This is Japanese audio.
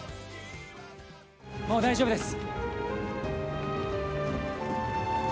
もう大丈夫です！